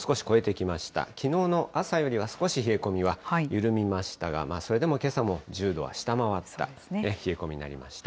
きのうの朝よりは少し冷え込みは緩みましたが、それでもけさも１０度は下回った冷え込みになりました。